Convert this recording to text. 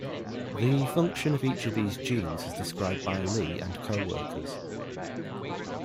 The function of each of these genes is described by Li and co-workers.